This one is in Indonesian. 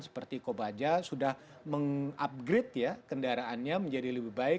seperti kopaja sudah meng upgrade ya kendaraannya menjadi lebih baik